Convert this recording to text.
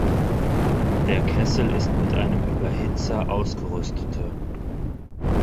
Der Kessel ist mit einem Überhitzer ausgerüstete.